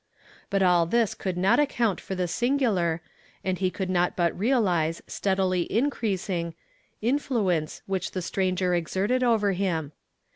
But all this could not account for the singular, and he could not but realize steadily increasing, influence which the stranger exerted over him.